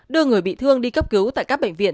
đưa người bị thương đi cấp cứu tại các bệnh viện